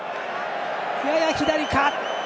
やや左か。